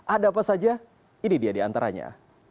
ada apa saja ini dia di antaranya